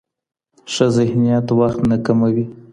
ښه ذهنیت وخت نه کموي.